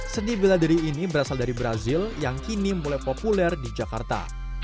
seni beladery ini berasal dari brazil yang kini mulai populer di jakarta